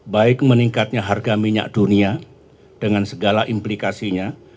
baik meningkatnya harga minyak dunia dengan segala implikasinya